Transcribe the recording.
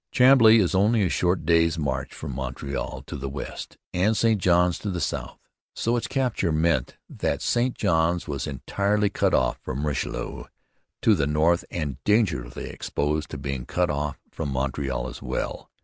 Chambly is only a short day's march from Montreal to the west and St Johns to the south; so its capture meant that St Johns was entirely cut off from the Richelieu to the north and dangerously exposed to being cut off from Montreal as well.